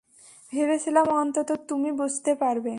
ভেবেছিলাম অন্তত তুমি বুঝতে পারবে।